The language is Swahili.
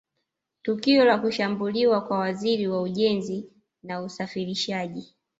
Tukio la kushambuliwa kwa Waziri wa Ujenzi na Usafirishaji